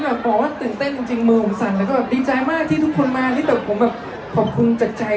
แต่หนึ่งเธอต้องตั้งใจลืมเขาให้ได้ต่อไม่คิดว่าเขาตายจากไป